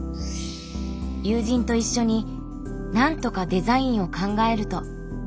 友人と一緒に何とかデザインを考えると。